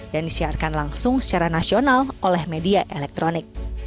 dan disiarkan langsung secara nasional oleh media elektronik